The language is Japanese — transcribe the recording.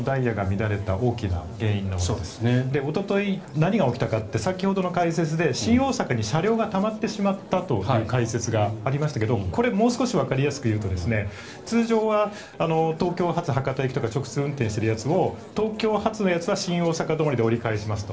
何が起きたかって先ほどの解説で、新大阪に車両がたまってしまったという解説がありましたけどこれもう少しわかりやすく言うと通常は東京発博多行きとか運転しているやつを東京発のやつを新大阪駅で折り返しますと。